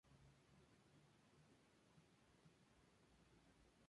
Allí, empezó a jugar fútbol, e ingresó al equipo juvenil del Sporting de Barranquilla.